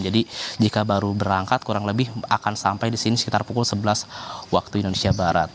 jadi jika baru berangkat kurang lebih akan sampai di sini sekitar pukul sebelas waktu indonesia barat